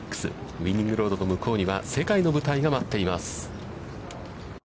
ウイニングロードの向こうには、世界の舞台がまっています。